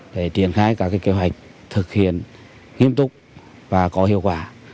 để triển khai các kế hoạch thực hiện nghiêm túc và có hiệu quả